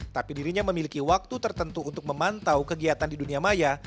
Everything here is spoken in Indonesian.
tapi dirinya memiliki waktu tertentu untuk memantau kegiatan di dunia maya